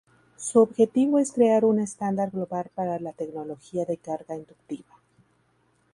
Su objetivo es crear un estándar global para la tecnología de carga inductiva.